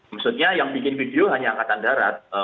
maksudnya yang bikin video hanya angkatan darat